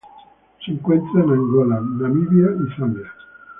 Se encuentra en Angola Namibia y Zambia.